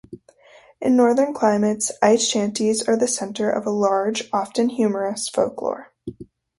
In northern climates, ice shanties are the center of a large, often humorous, folklore.